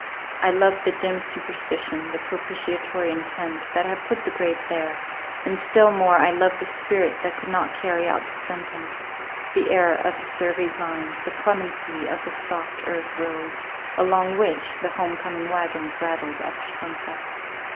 I loved the dim superstition, the propitiatory intent, that had put the grave there; and still more I loved the spirit that could not carry out the sentence—the error from the surveyed lines, the clemency of the soft earth roads along which the home coming wagons rattled after sunset.